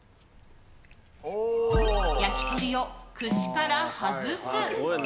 焼き鳥を串から外す。